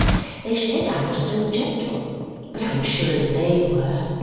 They said I was so gentle, but I am sure THEY were!